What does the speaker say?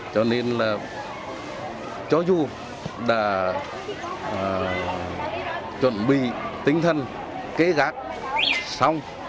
cho nên là cho dù đã chuẩn bị tinh thần kế gác xong